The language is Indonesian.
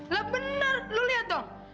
lah benar lo lihat dong